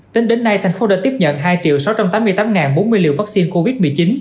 tính đến nay thành phố đã tiếp nhận hai sáu trăm tám mươi tám bốn mươi liều vaccine covid một mươi chín